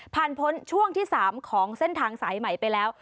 พ้นช่วงที่๓ของเส้นทางสายใหม่ไปแล้ว